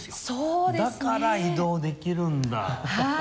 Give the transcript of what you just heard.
だから移動できるんだって。